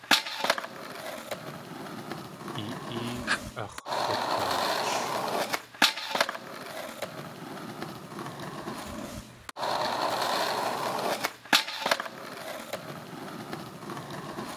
I éexʼ ax̲wlixaach.